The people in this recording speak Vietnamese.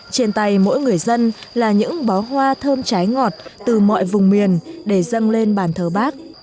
trên tay mỗi người dân là những bó hoa thơm trái ngọt từ mọi vùng miền để dâng lên bàn thờ bác